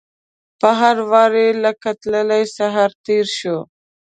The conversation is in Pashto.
په هر واري لکه تللی سهار تیر شو